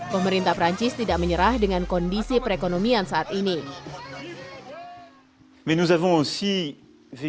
pemerintah perancis tidak menyerah dengan kondisi perekonomian saat ini